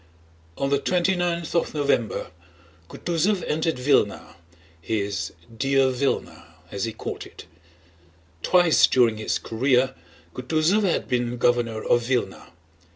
On the twenty ninth of November Kutúzov entered Vílna—his "dear Vílna" as he called it. Twice during his career Kutúzov had been governor of Vílna.